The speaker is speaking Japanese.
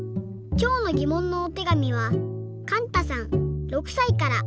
きょうのぎもんのおてがみはかんたさん６さいから。